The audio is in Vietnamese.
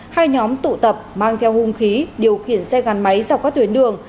hai nhóm tụ tập mang theo hung khí điều khiển xe gắn máy dọc các tuyến đường